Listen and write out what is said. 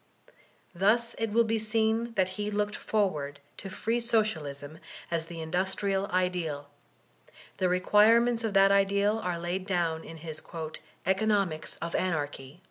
Thus it will be seen that he looked forward to free Socialism as the industrial ideal; the requirements of that ideal are laid down in his "Economics of Anarchy."